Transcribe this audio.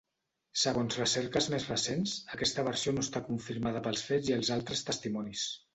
Segons recerques més recents, aquesta versió no està confirmada pels fets i els altres testimonis.